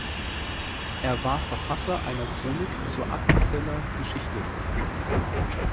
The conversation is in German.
Er war Verfasser einer Chronik zur Appenzeller Geschichte.